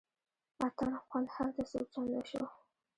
اتڼ خوند هلته څو چنده شو.